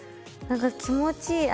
何か気持ちいい